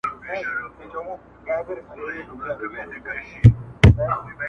• ستا مين درياب سره ياري کوي.